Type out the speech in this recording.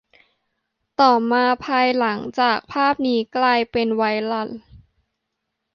ต่อมา ภายหลังจากภาพนี้กลายเป็นไวรัล